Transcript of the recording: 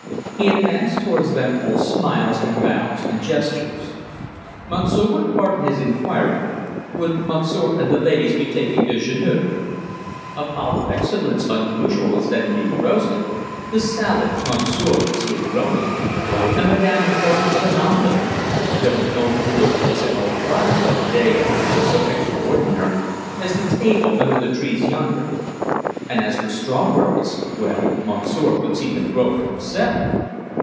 He advanced towards them, all smiles and bows and gestures. "Monsieur would pardon his inquiring would Monsieur and the ladies be taking dejeuner? A fowl of excellence unusual was then being roasted, the salad Monsieur could see it growing! And Madame had thought of an omelet! There was no cooler place in all France on a day of heat so extraordinary as the table under the trees yonder. And as for strawberries well, Monsieur could see them grow for himself!